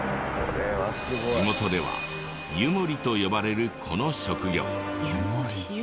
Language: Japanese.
地元では湯守と呼ばれるこの職業。